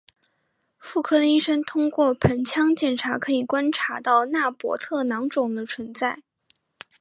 妇科医生通过盆腔检查可以观察到纳博特囊肿的存在。